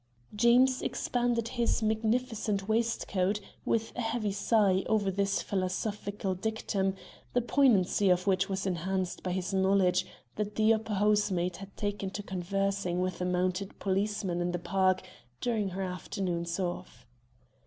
Jeames expanded his magnificent waistcoat with a heavy sigh over this philosophical dictum, the poignancy of which was enhanced by his knowledge that the upper housemaid had taken to conversing with a mounted policeman in the Park during her afternoons off.